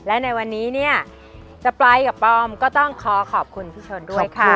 และในวันนี้จะไปบ้างก็ต้องขอขอบคุณพี่ชนด้วยค่ะ